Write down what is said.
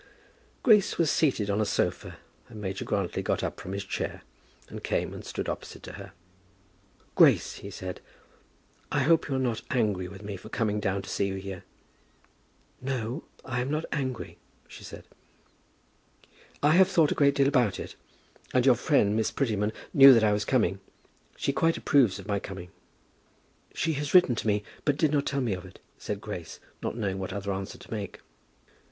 Grace was seated on a sofa, and Major Grantly got up from his chair, and came and stood opposite to her. "Grace," he said, "I hope you are not angry with me for coming down to see you here." "No, I am not angry," she said. "I have thought a great deal about it, and your friend, Miss Prettyman, knew that I was coming. She quite approves of my coming." "She has written to me, but did not tell me of it," said Grace, not knowing what other answer to make.